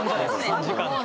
３時間って。